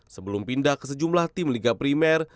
sebelum pindah ke sejumlah tim liga primer